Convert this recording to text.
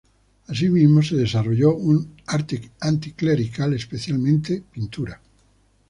Asimismo se desarrolló un arte anticlerical, especialmente pintura.